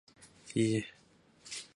猛鹿是日本将棋的棋子之一。